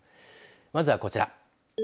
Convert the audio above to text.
まずはこちら。